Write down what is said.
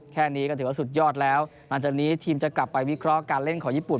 แค่นี้ก็ถือว่าสุดยอดแล้วหลังจากนี้ทีมจะกลับไปวิเคราะห์การเล่นของญี่ปุ่น